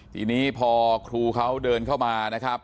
ทีนี้พอครูเขาเดินเข้ามานะครับ